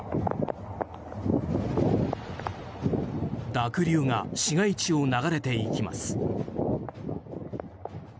濁流が市街地を流れていきます。